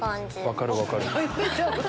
分かる分かる。